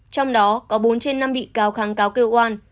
trong đó có bốn trên năm bị cáo kháng cáo kêu oan